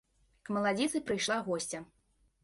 К маладзіцы прыйшла госця.